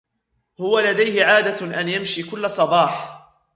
هو لديه عادة أن يمشي كل صباح.